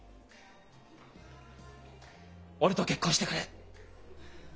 俺と結婚してくれ！